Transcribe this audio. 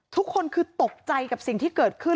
ทุกคนคือตกใจกับสิ่งที่เกิดขึ้น